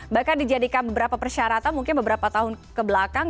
bahkan dijadikan beberapa persyaratan mungkin beberapa tahun kebelakang